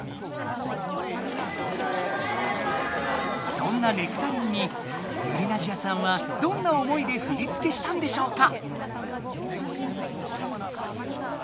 そんな「ネクタリン」にｙｕｒｉｎａｓｉａさんはどんな思いで振り付けしたんでしょうか？